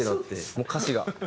もう歌詞が。